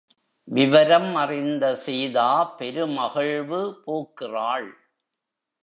விவரம் அறிந்த சீதா பெருமகிழ்வு பூக்கிறாள்.